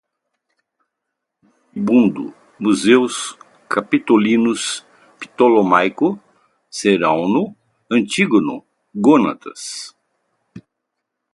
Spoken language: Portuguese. Leonório, Leotário, moribundo, Museus Capitolinos, ptolemaico, Cerauno, Antígono Gônatas